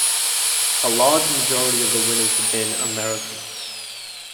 A large majority of the winners have been Americans.